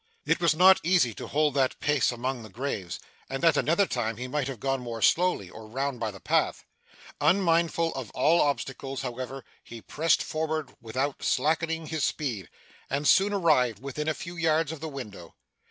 It was not easy to hold that pace among the graves, and at another time he might have gone more slowly, or round by the path. Unmindful of all obstacles, however, he pressed forward without slackening his speed, and soon arrived within a few yards of the window.